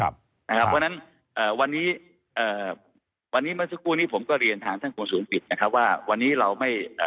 เพราะฉะนั้นวันนี้เมื่อสักครู่นี้ผมก็เรียนทางท่านคุณศูนย์ผิดว่าวันนี้เราไม่